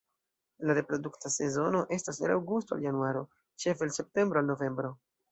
La reprodukta sezono estas el aŭgusto al januaro, ĉefe el septembro al novembro.